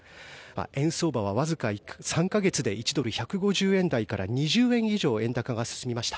円相場はわずか３か月で１ドル＝１５０円台から２０円以上円高が進みました。